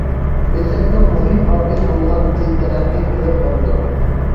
مىللەتنىڭ مۇھىم ئامىلى بولغان تىل تەرەققىي قىلىپ بارىدۇ.